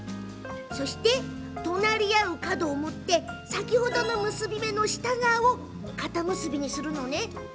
そして、隣り合う角を持って先ほどの結び目の下側を固結び。